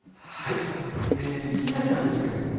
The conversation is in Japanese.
いきなりなんですけれども。